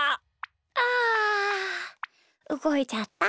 あうごいちゃった。